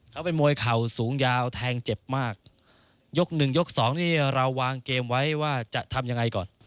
เขาเป็นมวยเข่าสูงยาวแทงเจ็บมากยกหนึ่งยกสองนี่เราวางเกมไว้ว่าจะทำยังไงก่อน